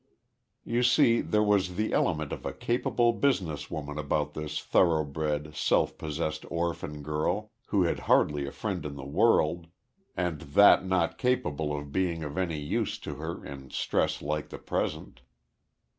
You see there was the element of a capable business woman about this thoroughbred, self possessed orphan girl, who had hardly a friend in the world and that not capable of being of any use to her in a stress like the present.